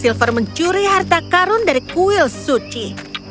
silver mencuri harta karun dari kuil suci